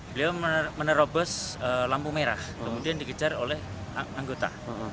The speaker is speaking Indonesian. beliau menerobos lampu merah kemudian dikejar oleh anggota